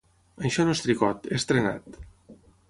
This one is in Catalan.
Això no és tricot, és trenat.